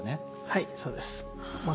はいそうです。